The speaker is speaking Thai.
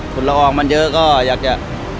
สุ่นละอออมมันเยอะก็อยากจะ